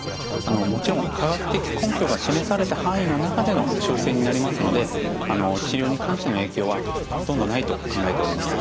もちろん科学的根拠が示された範囲の中での調整になりますので治療に関しての影響はほとんどないと考えております。